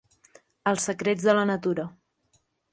Els secrets de la natura.